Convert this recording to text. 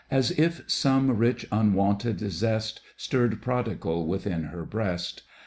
As if some rich unwonted zest Stirred prodigal within her breast.